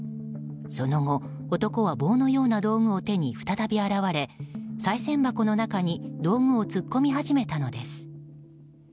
その後、男は棒のような道具を手に再び現れさい銭箱の中に道具を突っ込み始めたのです。